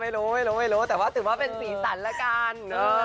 ไม่รู้ไม่รู้แต่ว่าถือว่าเป็นสีสันละกัน